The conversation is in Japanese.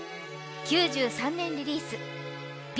９３年リリース、Ｂ